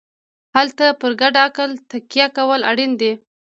هلته پر ګډ عقل تکیه کول اړین دي.